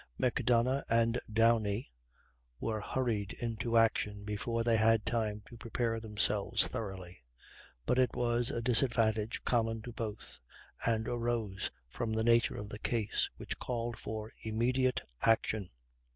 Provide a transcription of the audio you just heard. Macdonough and Downie were hurried into action before they had time to prepare themselves thoroughly; but it was a disadvantage common to both, and arose from the nature of the case, which called for immediate action.